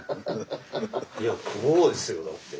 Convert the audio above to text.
いやこうですよだって。